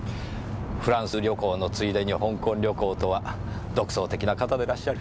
フランス旅行のついでに香港旅行とは独創的な方でらっしゃる。